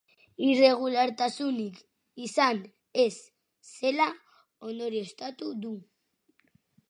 Irregulartasunik izan ez zela ondorioztatu du.